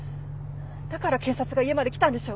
だから検察が家まで来たんでしょ？